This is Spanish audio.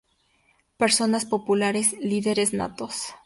Personas populares, líderes natos.